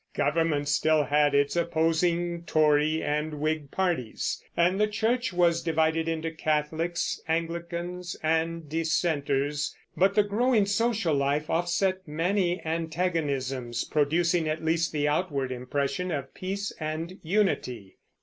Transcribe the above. Government still had its opposing Tory and Whig parties, and the Church was divided into Catholics, Anglicans, and Dissenters; but the growing social life offset many antagonisms, producing at least the outward impression of peace and unity.